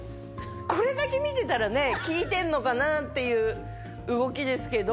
これだけ見てたらね効いてんのかな？っていう動きですけど。